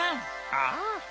ああ。